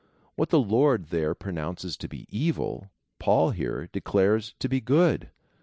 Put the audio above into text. What the Lord there pronounces to be evil Paul here declares to be good.